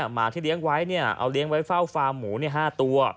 หมาที่เลี้ยงไว้เอาเลี้ยงไว้เฝ้าฟาร์มหมู๕ตัว